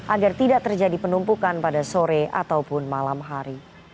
agar tidak terjadi penumpukan pada sore ataupun malam hari